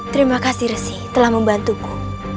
terima kasih resi telah membantuku